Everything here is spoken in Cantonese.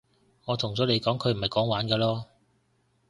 我同咗你講佢唔係講玩㗎囉